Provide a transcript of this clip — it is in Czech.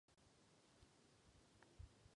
Obě opery měly u obecenstva úspěch.